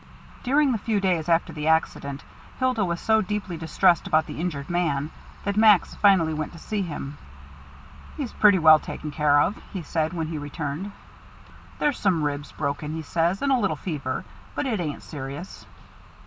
During the few days after the accident Hilda was so deeply distressed about the injured man that Max finally went to see him. "He's pretty well taken care of," he said when he returned. "There's some ribs broken, he says, and a little fever, but it ain't serious.